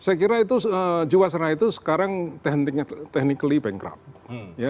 saya kira itu jawa serna itu sekarang technically bankrupt